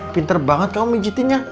pinter banget kamu pijitinnya